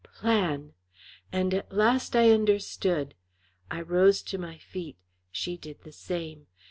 Plan!" and at last I understood. I rose to my feet; she did the same.